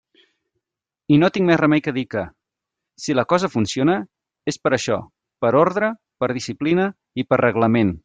I no tinc més remei que dir que, si la cosa funciona, és per això, per ordre, per disciplina i per reglament.